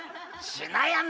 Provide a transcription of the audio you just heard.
「ちなやみ」！